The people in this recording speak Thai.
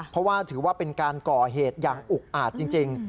เพราะว่าถือว่าเป็นการก่อเหตุอย่างอุกอาจจริง